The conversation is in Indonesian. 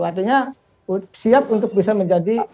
artinya siap untuk bisa menjadi